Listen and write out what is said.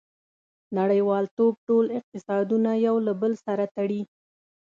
• نړیوالتوب ټول اقتصادونه یو له بل سره تړلي.